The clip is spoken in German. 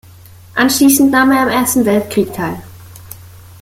Anschließend nahm er am Ersten Weltkrieg teil.